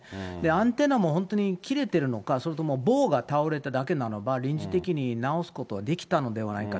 アンテナも本当に、切れてるのか、それとも棒が倒れただけなのか、臨時的に直すことはできたのではないか。